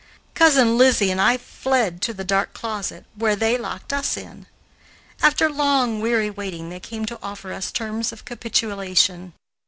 Cousin Lizzie and I fled to the dark closet, where they locked us in. After long, weary waiting they came to offer us terms of capitulation.